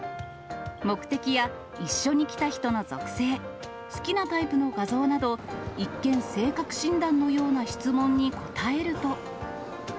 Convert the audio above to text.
目的や一緒に来た人の属性、好きなタイプの画像など、一見、性格診断のような質問に答えると。